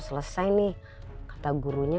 selesai nih kata gurunya